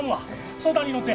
相談に乗って。